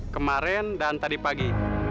kemarin dan tadi pagi